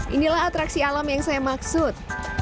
inilah atraksi alam yang saya maksud